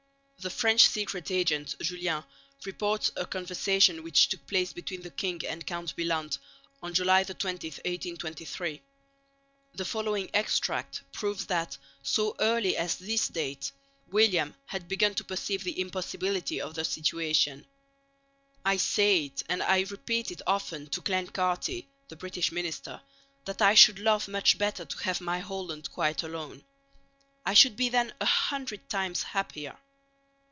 The French secret agent, Julian, reports a conversation which took place between the king and Count Bylandt on July 20,1823. The following extract proves that, so early as this date, William had begun to perceive the impossibility of the situation: I say it and I repeat it often to Clancarty (the British Minister) that I should love much better to have my Holland quite alone. I should be then a hundred times happier....